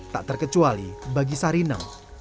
tak terkecuali bagi sari neng